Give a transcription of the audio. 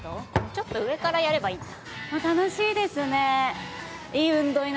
ちょっと上からやればいいんだ。